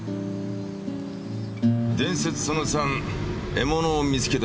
伝説その３獲物を見つけ出す嗅覚。